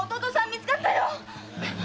見つかったよ！